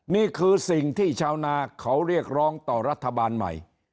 นี่คือสิ่งที่ชาวนาเขาเรียกร้องต่อรัฐบาลใหม่